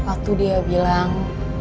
waktu dia bilang